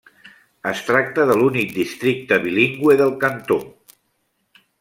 Es tracta de l'únic districte bilingüe del cantó.